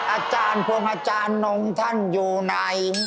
อาจารย์พวงอาจารย์นงท่านอยู่ไหน